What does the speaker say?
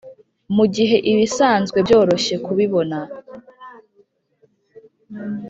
mugihe ibisanzwe byoroshye kubibona,